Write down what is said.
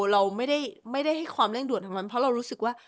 เราไม่ได้ให้ความเร่งด่วนทั้งนั้นเพราะเรารู้สึกว่า